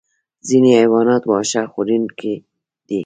ځینې حیوانات واښه خوړونکي دي